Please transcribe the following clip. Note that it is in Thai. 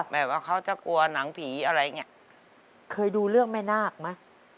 แบบว่าเขาจะกลัวหนังผีอะไรอย่างนี้เคยดูเรื่องแม่นาคไหม